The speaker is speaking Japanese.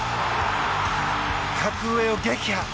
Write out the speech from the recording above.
格上を撃破！